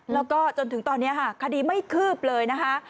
แล้วก็จนถึงตอนนี้ค่ะคดีไม่คืบเลยนะคะ